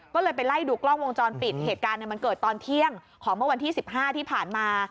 ก็เลยไปไล่ดูกล้องวงจรปิดเหตุการณ์มันเกิดตอนเที่ยงของเมื่อวันที่๑๕ที่ผ่านมา